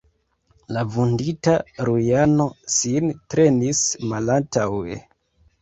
La vundita Rujano sin trenis malantaŭe.